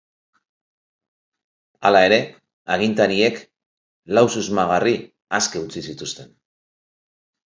Hala ere, agintariek lau susmagarri aske utzi zituzten.